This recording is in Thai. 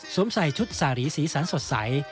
ซ้มใส่ชุดสาหรี่สีสันสดใส